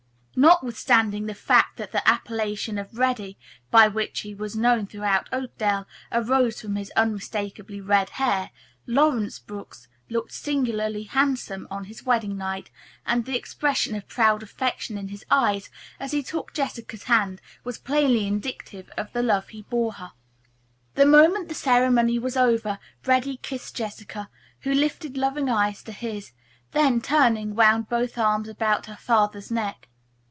Notwithstanding the fact that the appellation of "Reddy," by which he was known throughout Oakdale, arose from his unmistakably red hair, Lawrence Brooks looked singularly handsome on his wedding night and the expression of proud affection in his eyes, as he took Jessica's hand, was plainly indicative of the love he bore her. The moment the ceremony was over Reddy kissed Jessica, who lifted loving eyes to his, then, turning, wound both arms about her father's neck.